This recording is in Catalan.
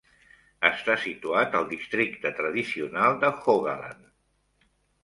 Està situat al districte tradicional de Haugaland.